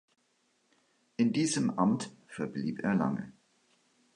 In diesem Amt verblieb er lange.